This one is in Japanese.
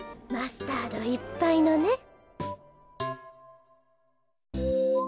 マスタードいっぱいのね。